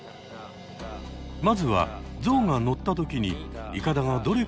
まずはゾウが乗った時にいかだがどれくらい沈むかを測る。